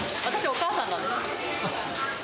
お母さんなんです。